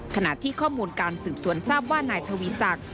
ขณะที่ข้อมูลการสืบสวนทราบว่านายทวีศักดิ์